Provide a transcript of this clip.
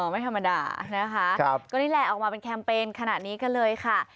ไม่ธรรมดานะคะก็นี่แหละออกมาเป็นแคมเปญขนาดนี้กันเลยค่ะ